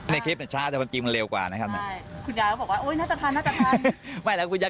ในคลิปมันช้าแต่วันจริงมันเร็วกว่านะครับคุณยายก็บอกว่าโอ้ยน่าจะทัน